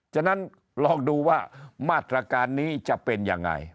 ฉะนั้นลองดูว่ามาตรการนี้จะเป็นยังไง